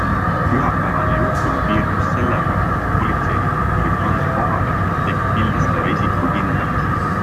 Pühapäevane juhtum piirdus sellega, et politseinikud tulid randa kohale ja tegid pildistaja isiku kindlaks.